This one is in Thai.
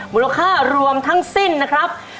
มูลค่ารวมทั้งสิ้นนะครับ